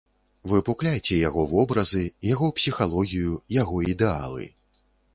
Выпукляйце яго вобразы, яго псіхалогію, яго ідэалы.